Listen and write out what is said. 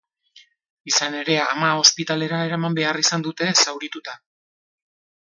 Izan ere, ama ospitalera eraman behar izan dute, zaurituta.